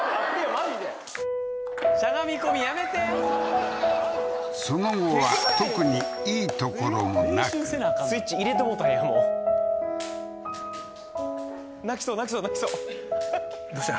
マジでしゃがみ込みやめてその後は特にいいところもなくスイッチ入れてもうたんやもう泣きそう泣きそう泣きそうどうした？